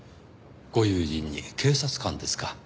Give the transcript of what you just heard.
ご友人に警察官ですか。